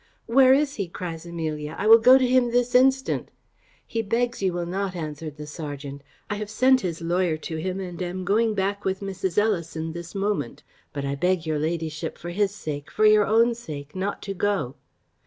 "Where is he?" cries Amelia; "I will go to him this instant!" "He begs you will not," answered the serjeant. "I have sent his lawyer to him, and am going back with Mrs. Ellison this moment; but I beg your ladyship, for his sake, and for your own sake, not to go."